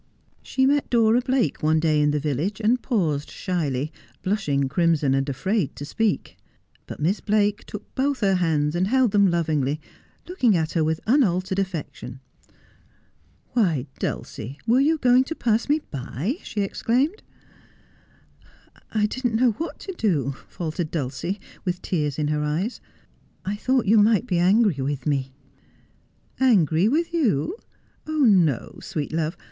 She met Dora Blake one day in the village, and paused shyly, blushing crimson, and afraid to speak. But Miss Biake took both her hands, and held them lovingly, looking at her with unaltered affection. 'Why, Dulcie, were you going to pass me by?' she ex claimed. ' I did not know what to do, 1 faltered Dulcie, with tears in her eyes. ' I thought you might be angry with me.' ' Angry with you 1 No, sweet love.